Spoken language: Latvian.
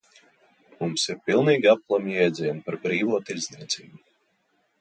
Mums ir pilnīgi aplami jēdzieni par brīvo tirdzniecību.